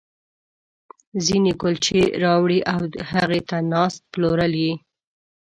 ځينې کُلچې راوړي او هغې ته ناست، پلورل یې.